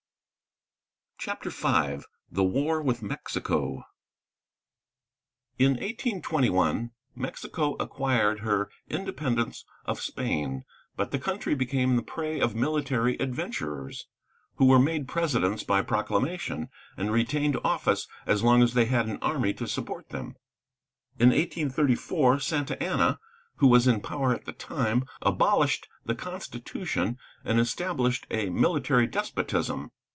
CHAPTER V THE WAR WITH MEXICO In 1821 Mexico acquired her independence of Spain, but the country became the prey of military adventurers, who were made presidents by proclamation, and retained office as long as they had an army to support them. In 1834 Santa Anna, who was in power at the time, abolished the constitution and established a military despotism.